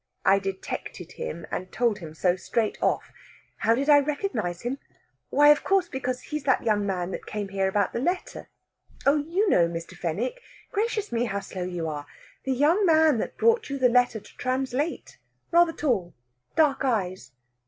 I detected him, and told him so straight off. How did I recognise him? Why, of course, because he's that young man that came here about the letter. Oh, you know, Mr. Fenwick! Gracious me, how slow you are! The young man that brought you the letter to translate. Rather tall, dark eyes."